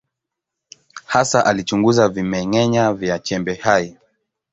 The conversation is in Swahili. Hasa alichunguza vimeng’enya vya chembe hai.